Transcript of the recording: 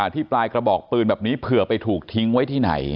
ที่ปลายกระบอกปืนแบบนี้เผื่อไปถูกทิ้งไว้ที่ไหน